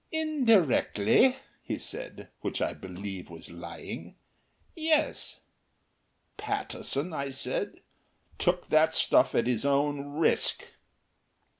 "Indirectly," he said, which I believe was lying, "yes." "Pattison," I said, "took that stuff at his own risk."